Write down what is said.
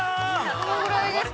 ◆このぐらいですか？